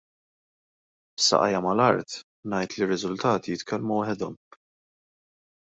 B'saqajja mal-art ngħid li r-riżultati jitkellmu waħedhom.